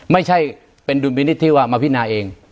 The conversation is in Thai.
ไม่ใช่เป็นดุลพินิษฐ์ที่ว่ามาพินาเอง